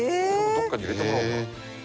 どこかに入れてもらおうかな。